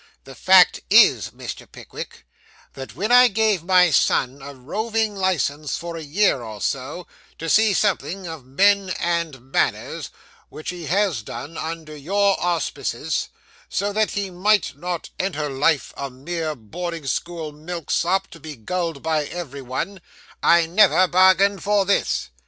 'The fact is, Mr. Pickwick, that when I gave my son a roving license for a year or so, to see something of men and manners (which he has done under your auspices), so that he might not enter life a mere boarding school milk sop to be gulled by everybody, I never bargained for this.